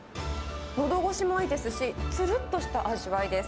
のどごしもいいですし、つるっとした味わいです。